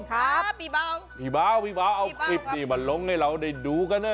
ครับพี่เบาพี่เบาพี่เบาเอาคลิปนี้มาลงให้เราได้ดูกันนะ